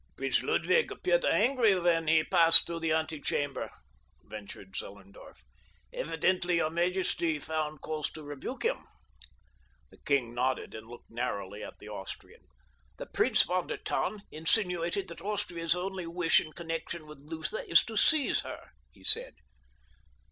"Prince Ludwig appeared angry when he passed through the antechamber," ventured Zellerndorf. "Evidently your majesty found cause to rebuke him." The king nodded and looked narrowly at the Austrian. "The Prince von der Tann insinuated that Austria's only wish in connection with Lutha is to seize her," he said.